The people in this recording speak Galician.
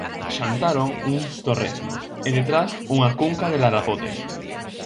Xantaron uns torresmos e detrás unha cunca de larapote.